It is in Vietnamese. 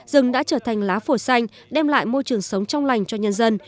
rừng đã trở thành lá phổi xanh đem lại môi trường sống trong lành cho nhân dân